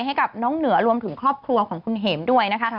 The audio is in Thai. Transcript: ให้กับน้องเหนือรวมถึงครอบครัวของคุณเห็มด้วยนะคะ